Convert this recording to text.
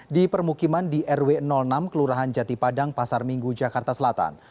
di permukiman di rw enam kelurahan jati padang pasar minggu jakarta selatan